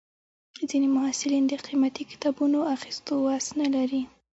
ځینې محصلین د قیمتي کتابونو اخیستو وس نه لري.